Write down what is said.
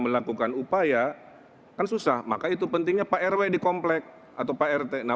melakukan upaya kan susah maka itu pentingnya pak rw dikomplek atau pak rt